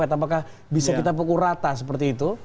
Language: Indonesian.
apakah bisa kita pukul rata seperti itu